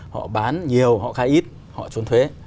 họ bán nhiều họ khai ít họ trốn thuế